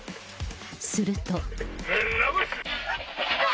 すると。